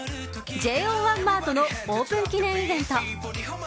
ＪＯ１ＭＡＲＴのオープン記念イベント。